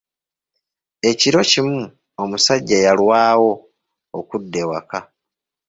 Ekiro kimu, omusajja yalwawo okudda ewaka.